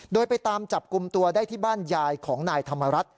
โดยไปตามจับกลุ่มตัวได้ที่บ้านยายของนายธรรมรัฐ